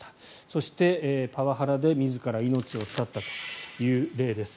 そして、パワハラで自ら命を絶ったという例です。